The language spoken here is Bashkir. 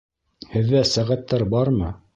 Һеҙҙә сәғәттәр бармы?